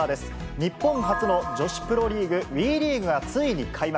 日本初の女子プロリーグ、ＷＥリーグがついに開幕。